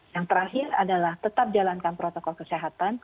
yang terakhir adalah tetap jalankan protokol kesehatan